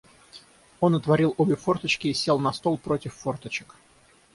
Он отворил обе форточки и сел на стол против форточек.